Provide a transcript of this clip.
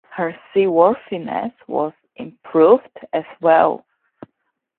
Her seaworthiness was improved as well.